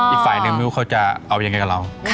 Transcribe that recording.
อีกฝ่ายนึงไม่รู้เขาจะเอายังไงกับเรา